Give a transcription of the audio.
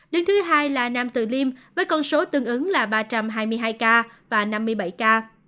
đứng thứ hai là nam từ liêm với con số tương ứng là ba trăm hai mươi hai ca và năm mươi bảy ca